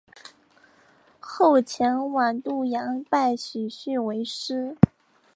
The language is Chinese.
后前往旌阳拜许逊为师。